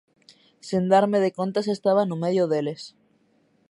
Sen darme de conta xa estaba no medio deles.